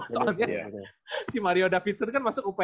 soalnya si mario davidson kan masuk uph ya